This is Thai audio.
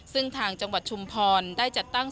ซึ่งทางจังหวัดชุมพรได้จัดตั้ง